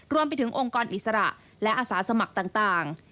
รวมไปถึงองค์กรอิสระและอาสาสมัครต่าง